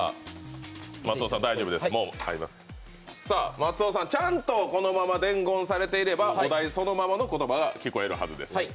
松尾さん、ちゃんとこのまま伝言されていればお題、そのままの言葉が聞こえるはずです。